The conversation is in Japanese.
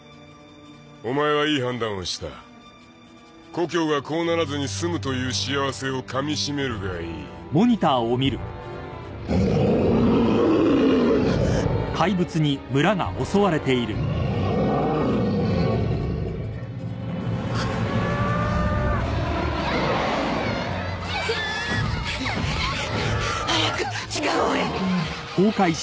お前はいい判断をした故郷がこうならずに済むという幸せをかみしめるがいいガオーッハッガオーッハッギャオオオッ早く地下壕へ！